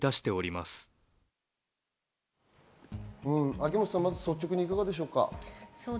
秋元さん、率直にいかがでしょうか？